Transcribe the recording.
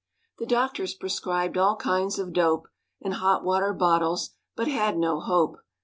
The doctors prescribed all kinds of dope And hotwater bottles, but had no hope.